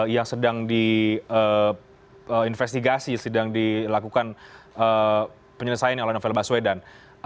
yang sedang diinvestigasi sedang dilakukan penyelesaian oleh novel baswedan